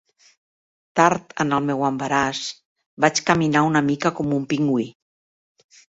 Tard en el meu embaràs, vaig caminar una mica com un pingüí.